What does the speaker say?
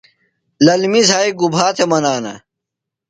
للمی زھائی گُبھا تھےۡ منانہ؟